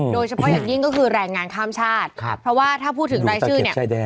โดยเฉพาะอย่างยิ่งก็คือแรงงานข้ามชาติเพราะว่าถ้าพูดถึงรายชื่อเนี่ย